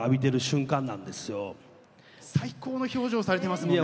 最高の表情されてますもんね。